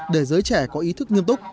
để giới trẻ có ý thức nghiêm túc